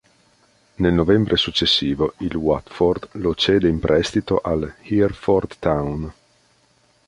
Nel novembre successivo, il Watford lo cede in prestito all'Hereford Town.